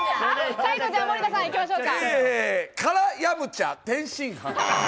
最後、森田さんいきましょうか。